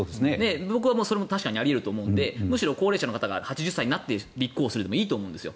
僕はそれも確かにあり得ると思うので高齢者の方が８０歳になって立候補するでもいいと思うんです。